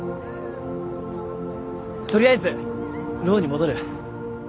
取りあえずローに戻る？